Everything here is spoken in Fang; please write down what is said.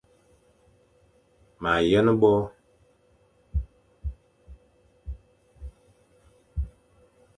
Ma yen bo ;